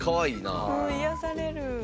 うん癒やされる。